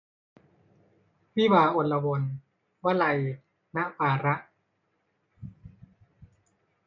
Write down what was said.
วิวาห์อลวน - วลัย นวาระ